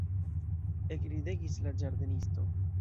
Ekridegis la ĝardenisto.